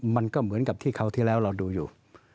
มันก็เหมือนกับที่คราวที่แล้วเราดูอยู่